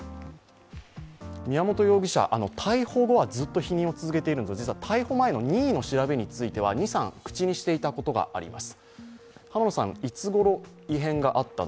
宮本容疑者、逮捕後はずっと否認を続けているんですが、逮捕前の任意の調べについては、２３、口にしていたことがあります